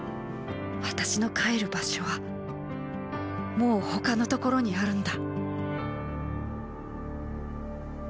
私の帰る場所はもう他の所にあるんだ。